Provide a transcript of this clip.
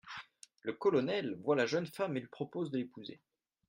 Le colonel voit la jeune femme et lui propose de l'épouser.